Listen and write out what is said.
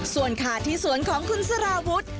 ส่วนขาที่สวนของคุณสารวุฒิ